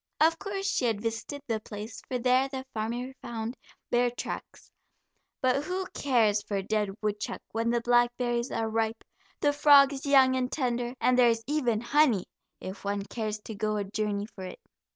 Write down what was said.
Of course she had visited the place, for there the farmer found bear tracks, but who cares for a dead woodchuck when the blackberries are ripe, the frogs young and tender, and there is even honey, if one cares to go a journey for it.